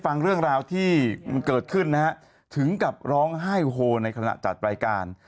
ฟังเรื่องราวที่มันเกิดขึ้นนะฮะถึงกับร้องไห้โฮในขณะจัดรายการ